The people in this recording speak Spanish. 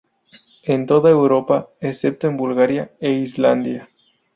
En toda Europa, excepto en Bulgaria e Islandia.